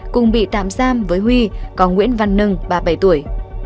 cùng bị tạm giam với huy có nguyễn văn nâng ba mươi bảy tuổi